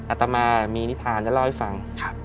อาตมามีนิทานจะเล่าให้ฟัง